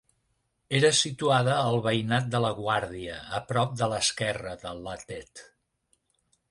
Era situada al veïnat de la Guàrdia, a prop a l'esquerra de la Tet.